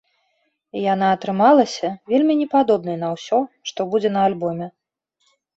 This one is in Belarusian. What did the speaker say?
І яна атрымалася вельмі не падобнай на ўсё, што будзе на альбоме.